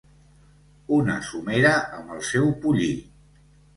Una somera amb el seu pollí.